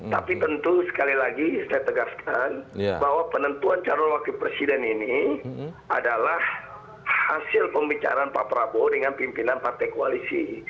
tapi tentu sekali lagi saya tegaskan bahwa penentuan calon wakil presiden ini adalah hasil pembicaraan pak prabowo dengan pimpinan partai koalisi